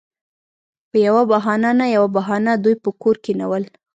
پـه يـوه بهـانـه نـه يـوه بهـانـه دوي پـه کـور کېـنول.